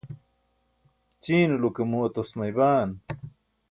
ćiinaulo ke muu atosmay baan